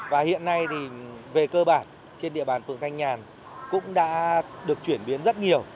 và hiện nay thì về cơ bản trên địa bàn phường thanh nhàn cũng đã được chuyển biến rất nhiều